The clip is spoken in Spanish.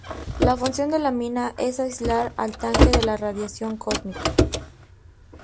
La función de la mina es aislar al tanque de la radiación cósmica.